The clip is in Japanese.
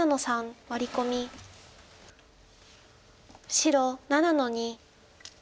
白７の二。